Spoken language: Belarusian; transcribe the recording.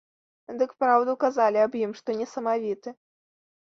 Дык праўду казалі аб ім, што не самавіты.